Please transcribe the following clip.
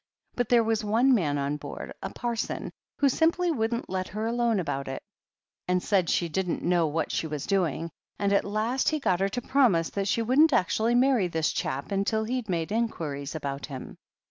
But there was one man on board — a parson — ^who simply wouldn't let her alone about it, and said she didn't know what she was doing, and at last he got her to promise that she wouldn't actually marry this chap until he'd made inquiries about him.